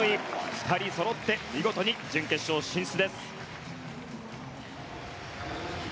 ２人そろって見事に準決勝進出です。